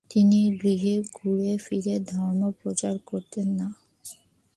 তিনি গৃহে ঘুরে ফিরে ধর্ম প্রচার করতেন না।